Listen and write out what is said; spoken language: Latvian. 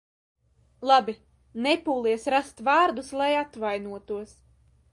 Labi, nepūlies rast vārdus, lai atvainotos.